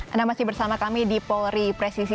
anda masih bersama kami di polri presisi